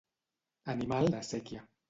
Animal de séquia.